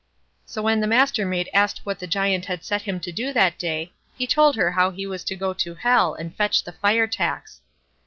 So when the Mastermaid asked what the Giant had set him to do that day, he told her how he was to go to Hell and fetch the fire tax.